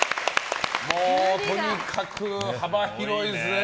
とにかく、幅広いですね。